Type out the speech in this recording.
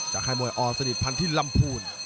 จากค่ายมวยออสนิทพันธิรัมพูน